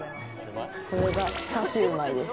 これが鹿シューマイです。